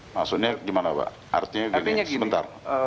maksudnya gimana pak artinya gini sebentar